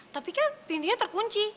tapi kan pintunya terkunci